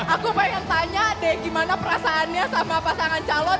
aku pengen tanya deh gimana perasaannya sama pasangan calon